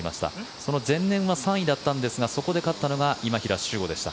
その前年は３位だったんですがその時に勝ったのが今平周吾でした。